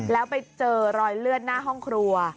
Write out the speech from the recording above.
แล้วไปเจอรอยเลือดหน้าห้องครัว